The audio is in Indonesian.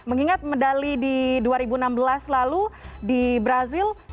mengingat medali di dua ribu enam belas lalu di brazil